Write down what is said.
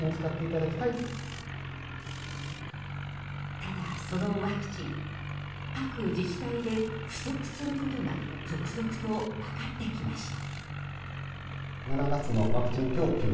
ただ、そのワクチン各自治体で不足することが続々と分かってきました。